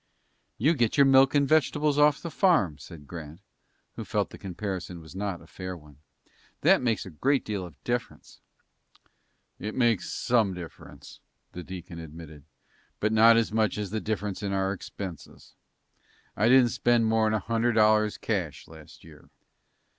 "You get your milk and vegetables off the farm," said Grant, who felt the comparison was not a fair one. "That makes a great deal of difference." "It makes some difference," the deacon admitted, "but not as much as the difference in our expenses. I didn't spend more'n a hundred dollars cash last year."